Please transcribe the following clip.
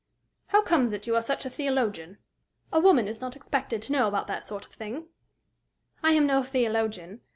"How comes it you are such a theologian? A woman is not expected to know about that sort of thing." "I am no theologian.